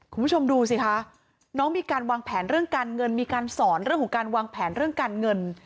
คุณผู้ชมดูสิคะน้องมีการวางแผนเรื่องการเงิน